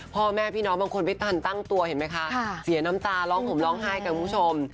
พ่อแม่พี่น้องบางคนไม่ทันตั้งตัวเห็นไหมคะเสียน้ำตาร้องผมร้องไห้กันคุณผู้ชม